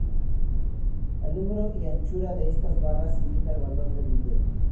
El número y anchura de estas barras indica el valor del billete.